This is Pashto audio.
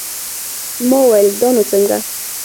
ما وويل دا نو څنگه.